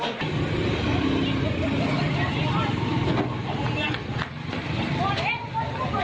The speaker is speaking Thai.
เอ็กซ์เอ็กซ์เดี๋ยวเอาออกไว้